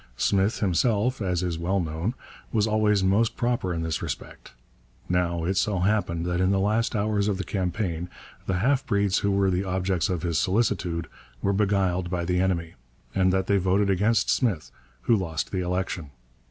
Smith himself, as is well known, was always most proper in this respect. Now, it so happened that in the last hours of the campaign the half breeds who were the objects of his solicitude were beguiled by the enemy, and that they voted against Smith, who lost the election.